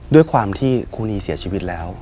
ด้วยความที่ครูนีเสียชีวิตแล้ว